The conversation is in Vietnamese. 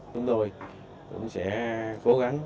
chúng tôi cũng sẽ cố gắng